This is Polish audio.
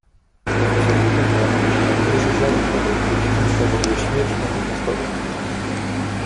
"Profesor zapewniał, że najmniejsze ziarnko tej trucizny powoduje śmierć natychmiastową."